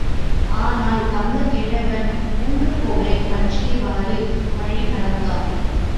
ஆனால் வந்த கிழவன் ஊன்றுகோலைப் பற்றியவாறு வழி நடந்தான்.